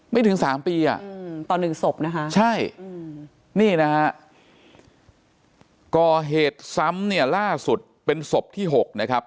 ถึงสามปีอ่ะต่อหนึ่งศพนะคะใช่นี่นะฮะก่อเหตุซ้ำเนี่ยล่าสุดเป็นศพที่๖นะครับ